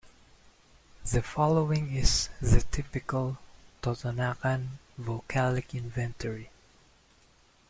The following is the "typical" Totonacan vocalic inventory.